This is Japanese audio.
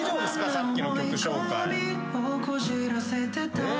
さっきの曲紹介。